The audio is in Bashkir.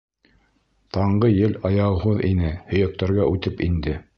Таңғы ел аяуһыҙ ине, һөйәктәргә үтеп инде.